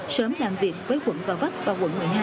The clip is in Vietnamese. sớm làm việc với quận gò vấp và quận một mươi hai